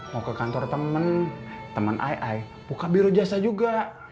mau ke kantor temen temen ai ai buka biro jasa juga